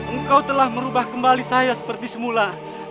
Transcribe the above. engkau telah merubah kembali saya seperti semula